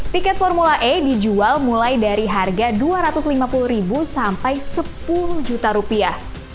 tiket formula e dijual mulai dari harga rp dua ratus lima puluh sampai rp sepuluh juta